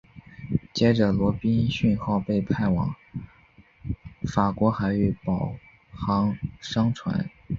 接着罗宾逊号被派往法国海域护航商船。